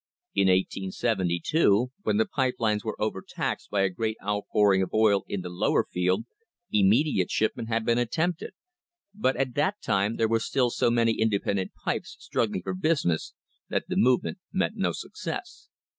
In 1874, when the pipe lines were overtaxed by a great outpour ing of oil in the Lower Field, immediate shipment had been attempted, but at that time there were still so many inde pendent pipes struggling for business that the movement met no success.